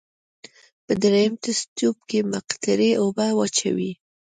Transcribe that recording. په دریم تست تیوب کې مقطرې اوبه واچوئ.